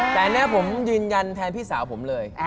แต่อันนี้ผมยืนยันแทนพี่สาวผมเลย